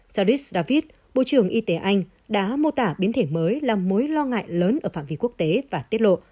zardis david bộ trưởng y tế anh đã mô tả biến thể mới là mối lo ngại lớn ở phạm vi quốc tế và tiết lộ